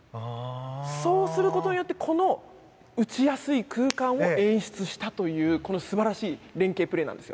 そうすることでこの打ちやすい空間を演出したという素晴らしい連係プレーなんです。